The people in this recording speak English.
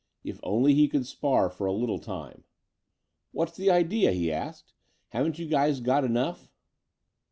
If only he could spar for a little time. "What's the idea?" he asked. "Haven't you guys got enough?"